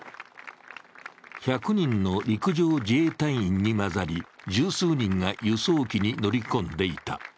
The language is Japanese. １００人の陸上自衛隊員に混ざり十数人が輸送機に乗り込んでいた。